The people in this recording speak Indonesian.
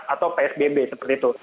atau psbb seperti itu